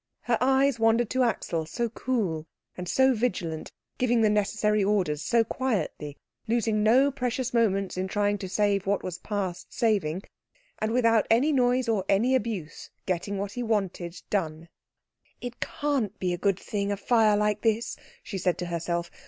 Her eyes wandered to Axel, so cool and so vigilant, giving the necessary orders so quietly, losing no precious moments in trying to save what was past saving, and without any noise or any abuse getting what he wanted done. "It can't be a good thing, a fire like this," she said to herself.